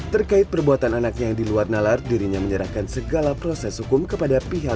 terkait perbuatan anaknya yang diluar nalar dirinya menyerahkan segala proses hukum kepada pihak